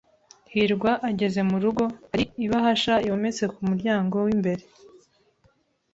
hirwa ageze mu rugo, hari ibahasha yometse ku muryango w'imbere.